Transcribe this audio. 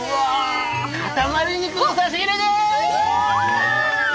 塊肉の差し入れです。